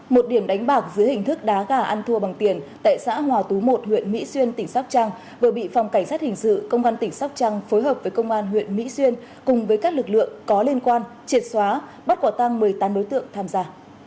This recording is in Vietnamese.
một điểm đánh bạc dưới hình thức đá gà ăn thua bằng tiền tại xã hòa tú một huyện mỹ xuyên tỉnh sóc trăng vừa bị phòng cảnh sát hình sự công an tỉnh sóc trăng phối hợp với công an huyện mỹ xuyên cùng với các lực lượng có liên quan triệt xóa bắt quả tăng một mươi tám đối tượng tham gia